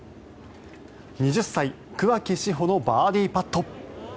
２０歳、桑木志帆のバーディーパット。